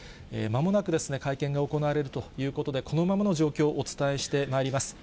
まもなくですね、会見が行われるということで、このままの状況、お伝えしてまいります。